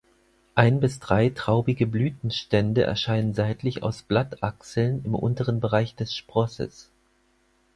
Ein bis drei traubige Blütenstände erscheinen seitlich aus Blattachseln im unteren Bereich des Sprosses.